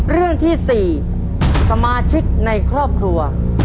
เรื่องที่๔สมาชิกในครอบครัว